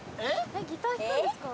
ギター弾くんですか？